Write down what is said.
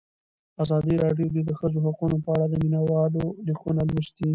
ازادي راډیو د د ښځو حقونه په اړه د مینه والو لیکونه لوستي.